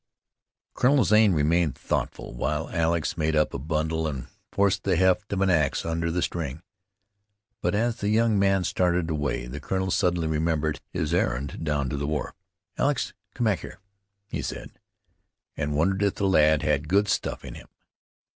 Colonel Zane remained thoughtful while Alex made up a bundle and forced the haft of an ax under the string; but as the young man started away the colonel suddenly remembered his errand down to the wharf. "Alex, come back here," he said, and wondered if the lad had good stuff in him.